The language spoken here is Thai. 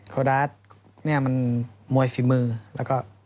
โครวีดาฌเนี่ยมันมวยฝีมือและก็